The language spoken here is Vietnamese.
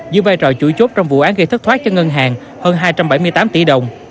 giữ vai trò chủ chốt trong vụ án gây thất thoát cho ngân hàng hơn hai trăm bảy mươi tám tỷ đồng